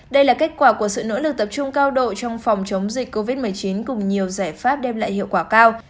đây là kết quả của sự nỗ lực tập trung cao độ trong phòng chống dịch covid một mươi chín cùng nhiều giải pháp đem lại hiệu quả cao